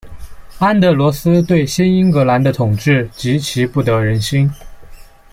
安德罗斯对新英格兰的统治极其不得人心。